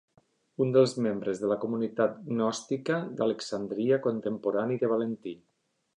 Un dels membres de la comunitat gnòstica d'Alexandria contemporani de Valentí.